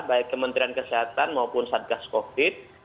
baik kementerian kesehatan maupun satgas covid